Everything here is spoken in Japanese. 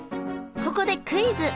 ここでクイズ！